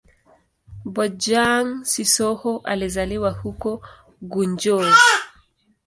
Bojang-Sissoho alizaliwa huko Gunjur.